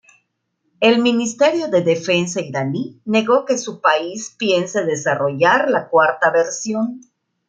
El ministerio de defensa iraní negó que su país piense desarrollar la cuarta versión.